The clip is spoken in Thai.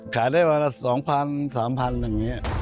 ขายได้มาละ๒๐๐๐๓๐๐๐บาทอย่างนี้